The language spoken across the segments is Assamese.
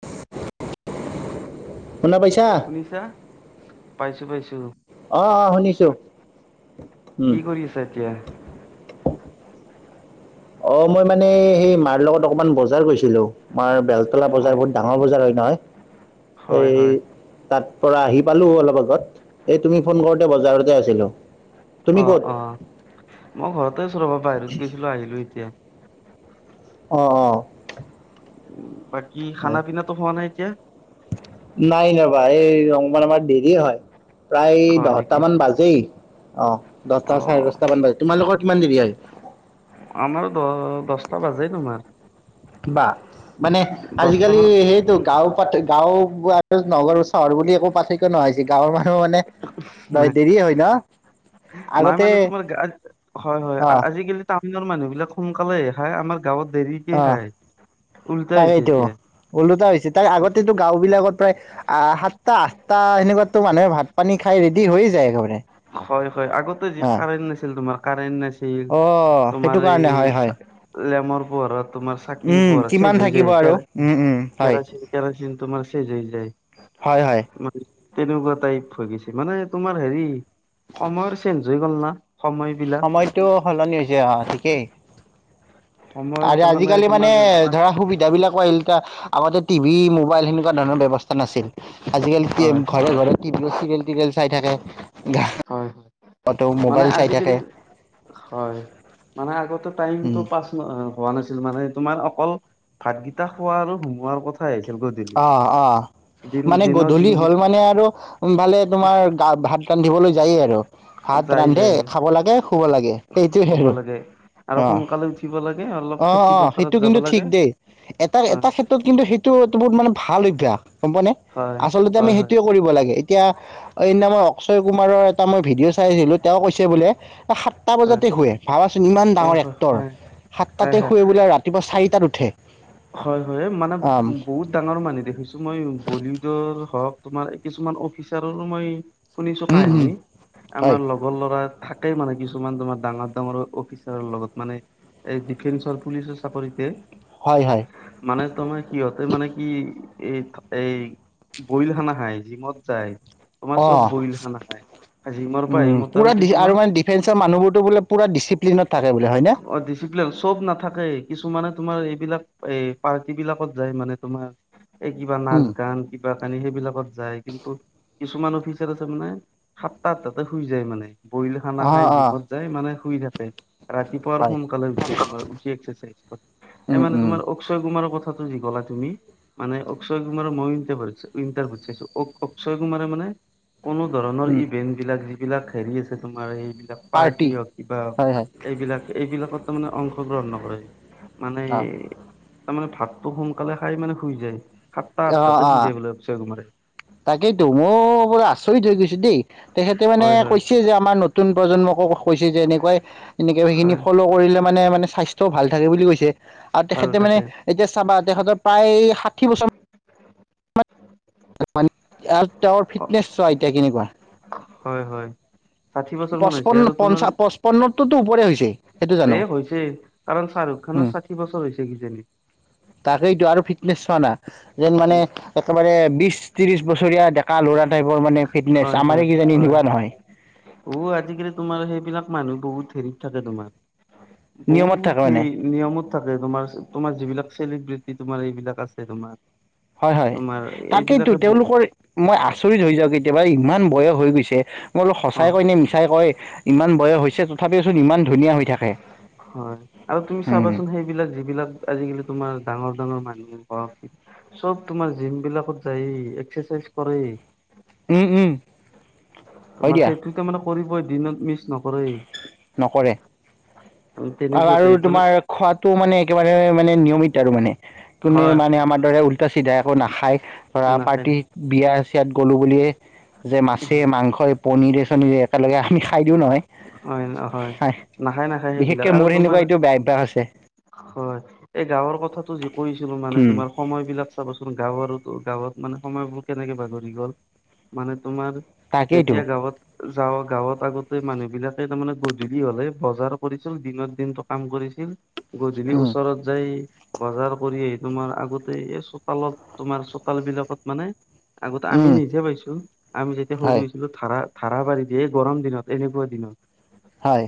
[inaudible] শুনা পাইছা শুনিছা পাইছো পাইছো আহ অ শুনিছো কি উম কৰি আছা এতিয়া? অ মই মানে সেই মাৰ লগত অকমান বজাৰ গৈছিলো মাৰ বেলতলা বজাৰ হয় বহুত ডাঙৰ বজাৰ হয় ন [unintelligible] হয় হয় তাৰ পৰা আহি পালোঁ অলপ আগত এই তুমি ফোন কৰোঁতে বজাৰতে আছিলোঁ তুমি ক'ত? ম ঘৰতে আছো ৰবা বাহিৰত গৈছিলো আহিলো এতিয়া অঁ অঁ উম, বাকী খানা পিনাতটো খোৱা নাই এতিয়া নাই ৰবা এই ৰংপমান আমাৰ দেৰি হয় প্ৰায় হয় দহট নেকি? মান বাজেই অ দহটা চাৰে অ' দহটামান বাজি তোমালোকৰ কিমান দেৰি আহি। আমাৰো দ দহটা বাজে তোমাৰ বা মানে দহটা আজিকালি মান সেইটো গাঁও প গাঁও আৰু নগৰ চহৰ বুলি একো পাৰ্থক্য নহত হৈ হৈছে গাঁৱৰ মানুহ মানে নাই দেৰি হয় ন। নাই আগতে মানে তোমাৰ হয় হয় অ আজিকালি টাউনৰ মানুহ বিলাক সোনকালে খাই আমাৰ গাঁৱত দেৰিক অ খাই উল্টাই হৈছে তাকেইতো এতিয়া। ওলোটা হৈছে তাৰ আগতেতো গাঁও বিলাকত প্ৰায় সাতটা আঠটা সেনেকুৱাতো মানুহে ভাত পানী খাই ৰেডি হৈ যায়। খবৰে [unintelligible] হয় হয় আগতে যি কাৰেণ্ট নাছিল তোমাৰ কাৰেন্ট নাছিল। অ সেইটো তোমাৰ কাৰণে হয় এই হয় চা লেমৰ পোহৰত তোমাৰ চাকি উম পোহৰ কিমান চেঞ্জ হৈ থাকিব যায়। আৰু উম উম হয় কেৰ-কেৰাচিন-কেৰাচিন তোমাৰ চেছ হৈ যায়। হয়-হয়। মানে তেনেকুৱা টাইপ হৈ গৈছে। মানে তোমাৰ হেৰি সময়ৰ চেঞ্জ হৈ গ'ল না সময়বিলাক সময়টো সলনি হৈছে, অ ঠিকেই। সময়ৰ আৰু তাৰমানে আজিকালি তোমাৰ মানে ধৰা সুবিধা বিলাক আগতে টিভি মোবাইল সেনেকুৱা ধৰণৰ ব্যৱস্থা নাছিল। আজিকালি কি হয় ঘৰে ঘৰে কি বুলি চিৰিয়েল টিৰিয়েল চাই থাকে হয় মানে মোবাইল চাই আজিকালি, থাকে হয় মানে আগতে উম, টাইমটো পাছ হোৱা নাছিল। মানে তোমাৰ অকল ভাতগিটা খোৱা আৰু হুমোৱাৰ কথাই আহিছিল। গধূলি অ-অ, দিন মানে দিনৰ গধূলি দিনকেইট হ'ল মানে আৰু ভালে তোমাৰ গা ভাত দিবলৈ যায়েই আৰু। ভাত যাই ৰান্ধে, যাই খাব লাগে, শুব লাগে। সেইটোৱে খাব আৰু। লাগে আৰু অ। সোনকালে উঠিব লাগে অলপ খেতি অঁ-অঁ, পথাৰত সেইটো যাব কিন্তু ঠিক লাগে দেই। এটা হয় এটা ক্ষেত্ৰত কিন্তু সেইটো বহুত মানে ভাল অভ্যাস, গম পোৱা নে? হয় আচলতে আমি হয় হয় সেইটোৱে কৰিব লাগে। এতিয়া এই নামই অক্ষয় কুমাৰৰ এটা মই ভিডিঅ' চাই আহিলোঁ। তেওঁ কৈছে বোলে সাতটা হয় বজাতে শুৱে। ভাবাচোন ইমান হয় ডাঙৰ হয় এক্টৰ, হয় হয় সাতটাতে শুৱে বোলে। ৰাতিপুৱা চাৰিটাত উঠ হয়-হয়, মানে বহুত ডাঙৰ মানুহ দেখিছো মই। বলীউডৰ হওঁক, তোমাৰ কিছুমান অফিচাৰৰো মই শুনিছো উম, উম, কাহিনী। হয়, আমাৰ লগৰ ল'ৰা থাকেই মানে কিছুমান তোমাৰ ডাঙৰ ডাঙৰ অফিচাৰৰ লগত মানে এই ডিফেন্সৰ পুলিচৰ চাকৰিতে। হয়, হয়, মানে তোমাৰ সিহঁতে মানে কি এই এই বইল খানা খায়, জিমত যায়। তোমাৰ অ'। চব বইল খানা খায়। জিমৰ পৰা আহি উম পুৰা মোটামুটি তোমাৰ আৰু মানে ডিফেন্সৰ মানুহবোৰতো বোলে পুৰা ডিচিপ্লিনত থাকে বোলে। হয়নে? অ ডিচিপ্লিন চব নাথাকে। কিছুমানে তোমাৰ এই বিলাক এ পাৰ্টি বিলাকত যায় মানে তোমাৰ। এই কিবা নাচ-গান ক কানি সেইবিলাকত যায়। কিন্তু কিছুমান অফিচাৰ আছে মানে সাতটা, আঠটাতে শুই যায় মানে। বইল খানা খাই অ', অ', জিমত যাই মানে শুই থাকে। ৰাতিপুৱাৰ হয়। সোনকালে উঠে তোমাৰ। উঠি এক্সাৰচাইজ কৰে। এই উম, মানে উম, তোমাৰ অক্ষয় কুমাৰৰ কথ কথাটো যি কলা তুমি মানে অক্ষয় কুমাৰক মই ইণ্টাৰভাৰত চাই ইণ্টাৰভিউত চাইছোঁ, অ অক্ষয় কুমাৰে মানে কোনো ধৰণৰ উম, ইভেন্ট বিলাক যিবিলাক হেৰি আছে তোমাৰ এইবিলাক পাৰ্টি হওঁক, কিবা হয়, হওঁক হয়, এইবিলাক এইবিলাকত তাৰমানে অংশগ্ৰহণ নকৰে। মানে অ', তাৰমানে ভাতটো সোনকালে খাই মানে শুই যায়। সাতটা, অ', আঠটাতে শুই অ'। যায় বোলে অকচয় কুমাৰে। তাকেইতো। মই ব আচৰিত হৈ গৈছো দেই। তেখেতে মানে হয় হয় কৈছে যে আমাৰ নতুন প্ৰজন্মক কৈছে যে এনেকুৱাই এনেকে সেইখিনি হয় ফ'ল' কৰিলে মানে মানে স্বাস্থ্যও ভাল থাকে বুলি কৈছে। আৰু ভাল তেখেতে মানে থাকে এতিয়া চাবা, তেখেতৰ প্ৰায় ষাঠি বছৰ আৰু তেওঁৰ অ ফিটনেছ চোৱা এতিয়া কেনেকুৱা। হয় হয় ষাঠি বছৰ মান হৈছে পঁচপন্ন আৰু। তোমাৰ পঞ্চা পঁচপন্নতোতো ওপৰে হৈছে সেইটো জানো এ হৈছে কাৰণ শ্বাহৰুখ খানৰ ষাঠি বছৰ হৈছে কিজানি। তাকেইটো আৰু ফিটনেছ চোৱা না। যেন মানে উম একেবাৰে বিছ, ত্ৰিছ বছৰীয়া ডেকা ল পুৰা টাইপৰ মানে ফিটনেছ আমাৰে কিজানি হয়-হয়-হয়। এনেকুৱা নহয় অ আজিকালি তোমাৰ সেইবিলাক মানুহ বহুত হেৰিত থাকে তোমাৰ, নিয়মত থাকে বহুত মানে সেই নিয়মত থাকে। তোমাৰ তোমাৰ যিবিলাক চেলিব্ৰিটি তোমাৰ এইবিলাক আছে তোমাৰ। হয়-হয়, তোমাৰ তাকেইতো এইবিলাকে ব তেওঁলোকৰ মই আচৰিত হৈ যাওঁ দেই একেবাৰে ইমান বয়স হৈ গৈছে। মই বোলো অ সঁচাই কয় নে মিছাই কয়? ইমান বয়স হৈছে তথাপিওচোন ইমান ধুনীয়া হৈ থাকে। হয় আৰু তুমি উম চাবাচোন সেইবিলাক যিবিলাক আজিকালি তোমাৰ ডাঙৰ ডাঙৰ মানুহ চব তোমাৰ জিম বিলাকত যায় এক্সাৰচাইজ কৰে উম উম হয় তোমাৰ দিয়া সেইটো তাৰ মানে কৰিবই দিনত মিচ নকৰে নকৰে তেনেকুৱা আৰু টাইপ মানে তোমাৰ খোৱাতটো মানে একেবাৰে মানে নিয়মিত আৰু মানে কোনোনে হয় মানে আমাৰ দৰে উল্টা চিধা এক নাখায় ধৰা নাখায় পাৰ্টি বিয়া চিয়াত গলো বুলিয়ে যে মাছে হয় মাংস পনিৰৰে একেলগে আমি খাই দিওঁ নহয় হয় নাখায় নাখায় সেইবিলাক বিশেষকে আৰু মোৰ তোমাৰ সেনেকুৱা এইটো বেয়া অভ্যাস আছে হয় এই গাঁৱৰ কথাতটো যি কৈছিলো মানে উম তোমাৰ সময় বিলাক চাবচোন গাঁৱৰোতো গাঁৱত মানে সময়বোৰ কেনেকে বাগৰি গ'ল মানে তোমাৰ তাকেইতো যেতিয়া গাঁৱত যাওঁ গাঁৱত আগতে মানুহ বিলাকে তাৰমানে গধূলি হলে বজাৰ কৰিছিল দিনৰত দিনটো কাম কৰিছিল গধূলি উম ওচৰত যায় বজাৰ কৰি আহি তোমাৰ আগতে এই চোতালত তোমাৰ চোতাল বিলাকত মানে। আগতে আমি উম নিজে পাইছো আমি যেতিয়া সৰু হয় হৈছিলো ধাৰা ধাৰা বাঢাৰি দিয়ে গৰম। দিনত এনেকুৱা দিনত। হয়।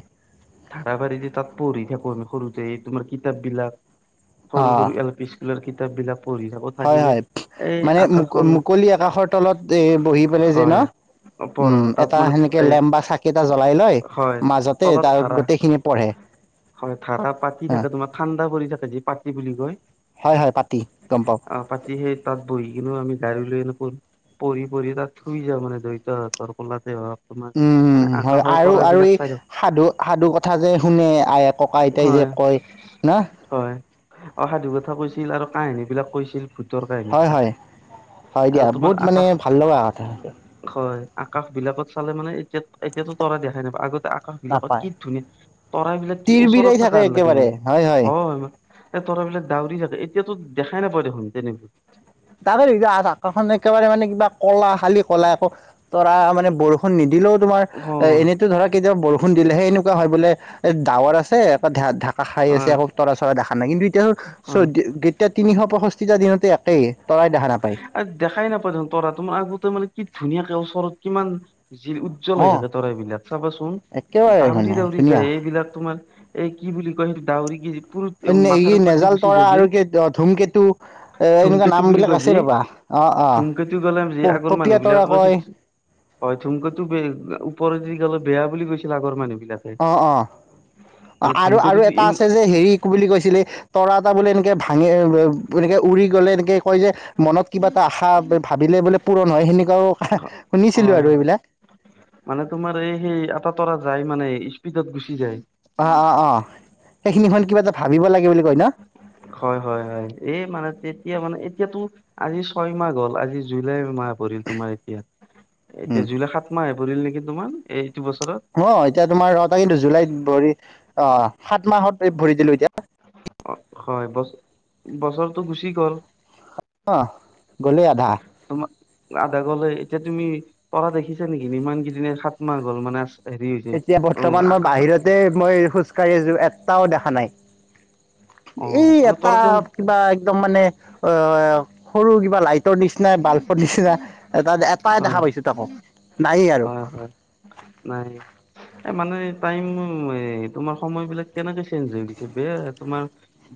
ধাৰাবাৰিতে তাত পঢ়ি থাকো আমি সৰুতে তোমাৰ কিতাপ বিলাক, অ সৰু সৰু এল পি। স্কুলৰ কিতাপবিলাক। হয় হয় মানে মু আকাশখন মুকলি আকাশৰ তলত এ বহি পেলাই যে ন। হয় পঢ়ো উম তাত এটা মানে সেনেকে এ লে। বা চাকি এটা জ্বলাই লয়, হয় মাজতে তলত তাৰ ধাৰা গোটেইখিনি পঢ়ে। হয় ধা পাতি অ থাকে তোমাৰ ঠাণ্ডা পৰি থাকে যি পাতি বুলি কয়। হয় হয় পাতি গম পাওঁ অ পাতি সেই তাত বহি কিন্তু আমি। গাড়ী লৈ নখোন পৰি পৰি তাত থুই যা মানে দৈত হাতৰ কলাতে। উম। উ হয় আৰু আৰু, এই সাধু সাধু কথা যে শুনে আ ককা আইতাই যে হয় কয় না। হয় অসাধু কথা কৈছিল আৰু কাহিনী বিলাক কৈছিল। ভূতৰ কাহিনী হয় বিলাক হয়, হয় আৰু দিয়া তোমাৰ বহুত মানে ভাল লগা। আকাশবিলাকত চালে মানে এতিয়াত এতিয়াতো তৰাই দেখাই নাপা আগত। আকাশ বিলাকত নাপায় কি ধুনীয়া তৰাইবলাক কি তিৰ ওচৰত বিৰাই থকা থাকে আন লাগে একেবাৰে মানে, হয় ম। এ তৰা বিলাক ডউৰি থাকে এতিয়াতো দেখাই নাপায় দেখোন তেনেকুৱাই। তাকে আকাশ খন একেবাৰে মানে কিবা কলা খালি কলা একৌ তৰা মানে বৰষুণ নিদিলেও। তোমাৰ অ এনেতো ধৰা কেতিয়াবা বৰ। বৰষুণ দিলে সেই এনেকুৱা হয় বোলে এ ডাৱৰ আছে ঢাকা খাই আছে আকৌ তৰা চৰা দেখা নাই কিন্তু এতিয়া। চ তেতিয়া তিনিশ পষষ্ঠিটা দিনতে একেই। তৰাই দেখা নাপায় আ দেখাই নাপায় দেখোন তৰা তোমাৰ আগতে মানে কি ধুনীয়াকে ওচৰত কিমান। যি উজ্জ্বল হৈ অ থাকে তৰাইবলাক চাবাচোন একেবাৰে দাউৰি মানে দাউৰি ধুনীয়া যায় এইবিলাক তোমাৰ। এই কি বুলি কয় সেইটো ডাউৰি কি। পুৰ মাথাৰ ওপৰত দি নেজাল গুচি তৰা আৰু ধুমকেতু এ। এনেকুৱা থুমকেতু নাম বুলি বিলাক কয় আছে যি ৰ'বা অ অ ধুমকেতু গলাম যে আগৰ পপীয়া মানুহবিলাক। তৰা কয় হয় থুমক তো ব ওপৰৰত যদি গ'লে বেয়া বুলি কৈছিল আগৰ মানুহ। বিলাকে অঁ অঁ। মানে আৰু আৰু ধুমকেতুটো এটা ইম আছে যে হেৰি বুলি কৈছিলে তৰা এটা বোলে এনেকে ভাঙে এনেকে। উৰি গ'লে এনেকে। কয় যে মনত কিবা এটা আশা ভাবিলে বোলে পূৰণ হয় সেনেকুৱাও শুনিছিলো হয় আৰু হয় এইবিলাক। মানে তোমাৰ এই সেই এটা তৰা যায় মানে স্পীডত গুচি যায়। অ অ অ সেইখিনিখন কিবা এটা ভাবিব লাগে বুলি কয় ন। হয় হয় হয় এই মানে। এয়া মানে এতিয়াতো আজি ছয় মাহ হ'ল আজি জুলাই মাহ। পৰিল তোমাৰ এতিয়া এতিয়া উম জুলাই সাত মাহ আহে পৰিল নেকি তোমাৰ এই। অ এতিয়া তোমাৰ ৰটা কিন্তু জুলাইত ভৰি আহ সাত মাহত ভৰি দিলো এতিয়া। অ হয় বছ বছৰটো গুচি গ'ল। অ গলেই আধা। তোমাৰ আধা গলে এতিয়া তুমি তৰা দেখিছা নেকি ইমান কেইদনে সাত মাহ গ'ল মানে আছে। এতিয়া বৰ্তমান মই বাহিৰতে মই খোজ কঢ়ি আছো এটাও দেখা নাই। অ এই মানে এটা তৰা দেখোন কিবা একদম মানে অ সৰু কিবা লাইট। নিচিনা বালফৰ নিচিনা তাত এটাই হয় দেখা পাইছো তাকো। নায়েই আৰু হয় হয় নাই। এ মানে টাইম তোমাৰ সময় বিলাক কেনেকে চেঞ্জ হৈ গৈছে বেয়া তোমাৰ।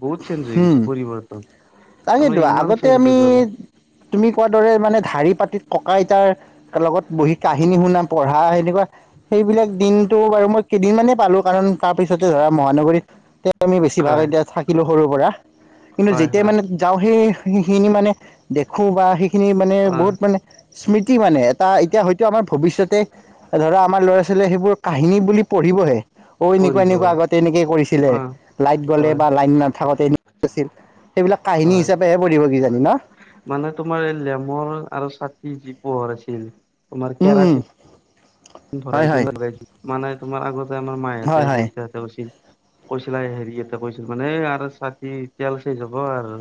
বহুত চেঞ্জ হৈ গৈছে পৰিৱৰ্তন। তাৰমানে তাকেইটো ইমান আগতে চেঞ্জ হৈ আমি, গ'ল তুমি কোৱা দৰে মানে ধাৰি পাতিত ক। ককা আইতাৰ, লগত বহি কাহিনী শুনা পঢ়া সেনেকুৱা সেইবিলাক দিনতটো বাৰু মই কেইদিন। পালো কাৰণ তাৰ পিছতে ধৰা মহানগৰীত আমি বেছিভাগ হয় এতিয়া থাকিলোঁ সৰুৰ পৰা কিন্তু হয় যেতিয়া হয় মানে যাওঁ সেই সেইখিনি মানে দেখো বা সেইখিনি মানে অ বহুত মানে স্মৃতি কি মানে এটা এতিয়া হয়তো আমাৰ ভৱিষ্যতে ধৰা আমাৰ ল'ৰা ছোৱালীয়ে সেইবোৰ কাহিনী বুলি পঢ়িবহে অ এনেকুৱা পৰিব এনেকুৱা আগতে এনেকে কৰিছিলে অ লাইট গ'লে হয় বা লাইন নাথাকোতে আ সেইবিলাক কাহিনী হয় হিচাপেহে পঢ়িব কিজানি ন মানে তোমাৰ এই লেমৰ আৰু চাকি যি পোহৰ আছিল তোমাৰ উম উম কেৰাচিন ভৰাই হয় কি হয় লগাই মানে তোমাৰ আগতে আমাৰ হয় হয় মাহহঁতেতে উছিল কৈছিলা হেৰি এটা কৈছিল মানে আৰু চাতি তেল চ যাব আৰু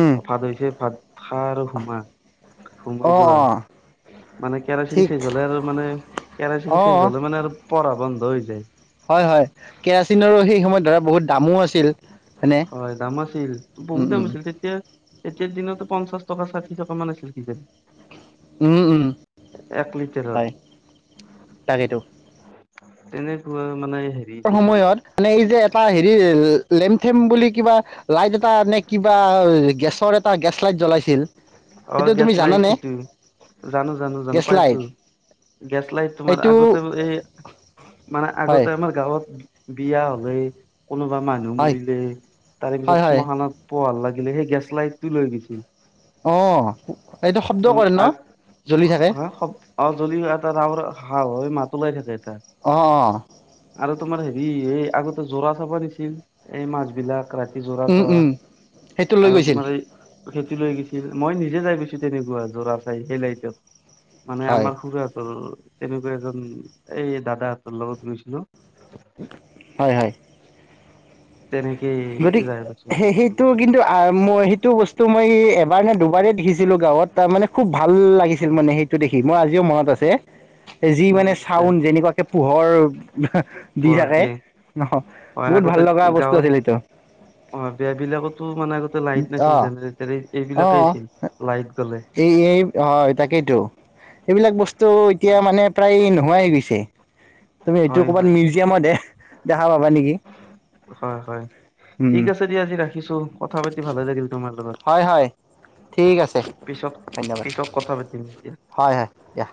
উম ভাতছে ভাত খা আৰু সোমা সোমাই অঁ যোৱা অঁ মানে কেৰাচিন ঠিক চেজ হলে আৰু মানে কেৰাচিন অঁ চেজ হলে মানে আৰু পঢ়া বন্ধ হৈ যায় হয় হয় কেৰাচিনৰো সেই সময়ত ধৰা বহুত দামো আছিল হয়নে হয় দাম আছিল বহুত উম দাম উম আছিল তেতিয়া এতিয়য়া দিনতো পঞ্চাশ টকা ষাঠি টকা মান আছিল কি যে উম উম লিটাৰত। হয় তাকেইেতো তেনেকুৱা মানে হেৰি আছিল সময়ত মানে এই যে এটা হেৰি লেমথেম বুলি কিবা লাইট এটা নে কিবা গেছৰ এটা গেছ লাইট জ্বলাইছিল অ সেইটো তুমি গেছ লাইট জানানে সেইটো জানো জানো জানো গেছ পাইছো লাইট গেছ লাইট তোমাৰ সেইটো আগতে এই মানে হয় আগতে আমাৰ গাঁৱত বিয়া হলে কোনোবা মানুহ হয় মৰিলে তাৰে পিছত হয় হয় শ্মশানত পোহাল লাগিলে সেই গেছ লাইট টো লৈ গৈছিল অ এইটো শব্দ কৰে ন জ্বলি থাকে হ অ যদি এটা ৰাওৰ হাঁ মাত ওলাই থাকে এটা অঁ অঁ আৰু তোমাৰ হেৰি এই আগতে জোৰা চাবা দিছিল এই মাছ বিলাক ক ৰাতি উম জৰাছ হ উম সেইটো লৈ আৰু গৈছিল তোমাৰ খেতি লৈ গৈছিল মই নিজে যাই গৈছো তেনেকুৱা জোৰা চাই সেই লাইটত মানে হয় আমাৰ সুুৰতৰ তেনেকুৱা এজন এই দাদাহঁতৰ লগত গৈছিলো হয় হয় তেনেকে গতিক যাই পাইছো স মানে সেইটো কিন্তু মই সেইটো বস্তু মই এবাৰ নে দুবাৰে দেখিছো ছিলো গাঁৱত তাৰ মানে খুব ভাল লাগিছিল মানে সেইটো দেখি মোৰ আজিও মনত আছে। যি মানে মনত আছে চাউন যেনেকুৱাকে পোহৰ দি পোহৰ থাকে দিয়ে ন বহুত ভাল লগা বস্তু আছিল এইটো উ অ বিয় বিলাকতো মানে আগতে লাইট নাছিল অ জেনেৰেটাৰ অ এইবিলাকেই আছিল লাইট জলে এই এই হয় তাকেইেতো, এইবিলাক বস্তু এতিয়া মানে প্ৰায় নোহোৱাই হয় গৈছে। তুমি এইটো হয় ক'বাত হয় হয় মিউজিয়ামত হে দেখা পাবা নেকি। হয় হয় উম ঠিক আছে দিয়া আজি ৰাখিছো, কথা পাতি ভালে লাগিল তোমাৰ লগত, হয় হয় ঠিক আছে পিছত ধন্যবাদ পিছত কথা পাতিম দিয়া। হয় হয়, দিয়া।